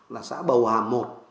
là xã bầu hàm một